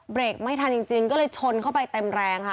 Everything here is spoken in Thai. ไม่ทันจริงก็เลยชนเข้าไปเต็มแรงค่ะ